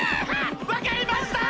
わかりました！